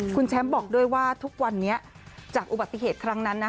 คุณแชมป์บอกด้วยว่าทุกวันนี้จากอุบัติเหตุครั้งนั้นนะ